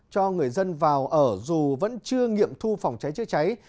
cho người dân vào ở dù vẫn chưa nghiệm thu phòng cháy chữa cháy